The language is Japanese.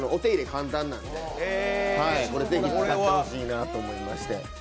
簡単なんで、ぜひ使ってほしいなと思いまして。